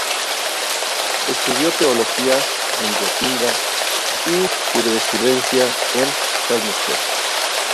Estudió teología en Gotinga y jurisprudencia en Helmstedt.